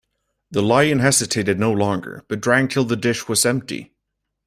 The Lion hesitated no longer, but drank till the dish was empty.